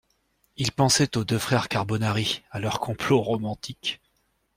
Il pensait aux deux frères carbonari, à leurs complots romantiques.